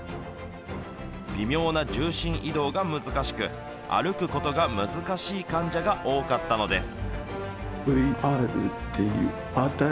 微妙な重心移動が難しく、歩くことが難しい患者が多かったのです。